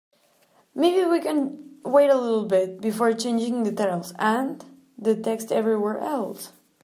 Maybe we can wait a little bit before changing the titles and the text everywhere else?